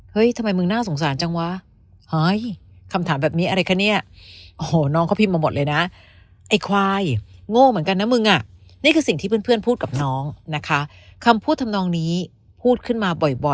เฮ้ยทำไมมึงน่าสงสารจังวะ